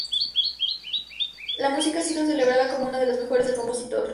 La música ha sido celebrada como una de las mejores del compositor.